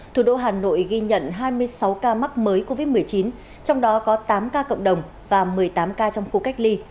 thủ đô hà nội ghi nhận hai mươi sáu ca mắc mới covid một mươi chín trong đó có tám ca cộng đồng và một mươi tám ca trong khu cách ly